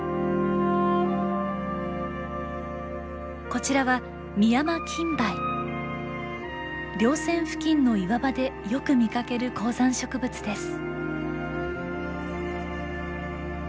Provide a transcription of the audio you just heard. こちらは稜線付近の岩場でよく見かける高山植物です。